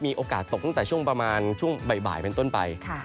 โอกาสตกตั้งแต่ช่วงประมาณช่วงบ่ายเป็นต้นไป